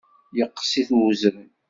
Yeqqes-it uzrem.